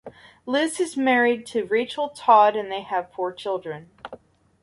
Liz is married to Michael Todd and they have four children.